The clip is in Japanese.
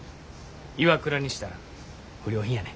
ＩＷＡＫＵＲＡにしたら不良品やね。